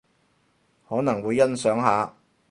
可能會欣賞下